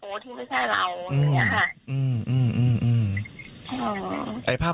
สมมุติภาพโพสต์ที่ไม่ใช่เรา